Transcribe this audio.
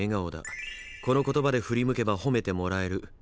「この言葉で振り向けば褒めてもらえる」。